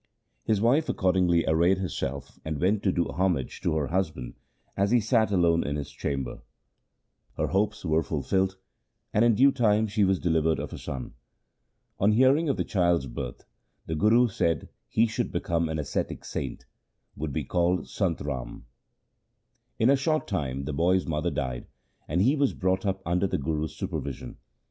His wife accordingly arrayed herself and went to do homage to her hus band as he sat alone in his chamber. Her hopes 1 Suraj Parkash, Ras I, Chapter 59. LIFE OF GURU AMAR DAS 131 were fulfilled, and in due time she was delivered of a son. On hearing of the child's birth the Guru said he should become an ascetic saint, who would be called Sant Ram. In a short time the boy's mother died, and he was brought up under the Guru's supervision.